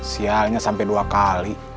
sialnya sampe dua kali